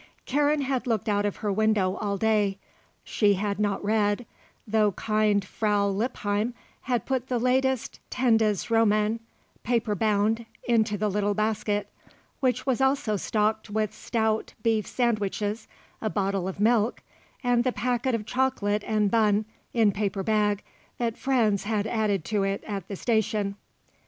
Karen had looked out of her window all day. She had not read, though kind Frau Lippheim had put the latest tendenz roman, paper bound, into the little basket, which was also stocked with stout beef sandwiches, a bottle of milk, and the packet of chocolate and bun in paper bag that Franz had added to it at the station.